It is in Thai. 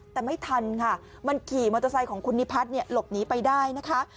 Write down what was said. แต่ไม่ทันค่ะมันขี่มอเตอร์ไซค์ของคุณนิพัฒน์หลบหนีไปได้นะคะ